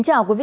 chào các bạn